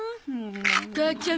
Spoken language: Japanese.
母ちゃん。